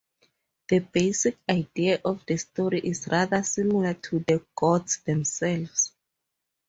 The basic idea of the story is rather similar to "The Gods Themselves".